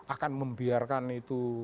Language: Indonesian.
akan membiarkan itu